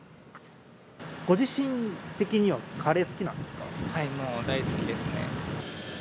ご自身的にはカレー好きなんもう大好きですね。